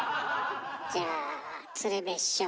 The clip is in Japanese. じゃあ鶴瓶師匠。